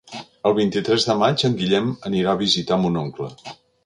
El vint-i-tres de maig en Guillem anirà a visitar mon oncle.